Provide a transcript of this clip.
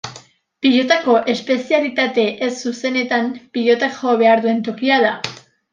Pilotako espezialitate ez zuzenetan, pilotak jo behar duen tokia da.